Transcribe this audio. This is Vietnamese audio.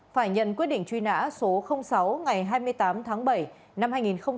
phải nhận quyết định truy nã số sáu ngày hai mươi tám tháng bảy năm hai nghìn một mươi